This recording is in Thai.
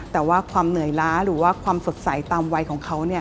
แต่ว่าความเหนื่อยล้าหรือว่าความสดใสตามวัยของเขา